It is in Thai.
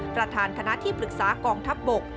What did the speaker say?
ประธานคณะที่ปรึกษากองทัพบก